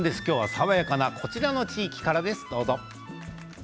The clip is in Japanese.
爽やかなこの地域からです。